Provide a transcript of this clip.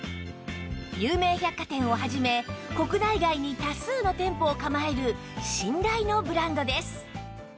有名百貨店を始め国内外に多数の店舗を構える信頼のブランドです